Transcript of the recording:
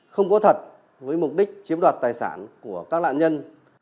không có thật với mục đích chiếm đoạt tài sản của các lạ nhân